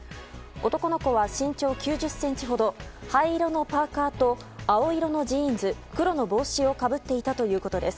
男の子は身長９０ｃｍほど灰色のパーカと青色のジーンズ黒の帽子をかぶっていたということです。